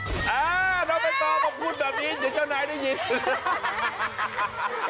ถ้าน้องใบตองมาพูดแบบนี้เดี๋ยวเจ้านายได้ยิน